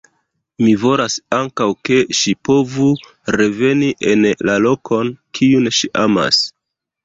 Mi volas ankaŭ, ke ŝi povu reveni en la lokon, kiun ŝi amas.